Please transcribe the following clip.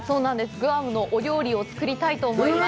グアムのお料理を作りたいと思います。